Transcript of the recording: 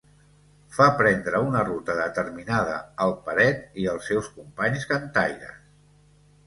Fa prendre una ruta determinada al Peret i els seus companys cantaires.